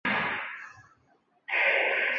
克里斯特卢是葡萄牙波尔图区的一个堂区。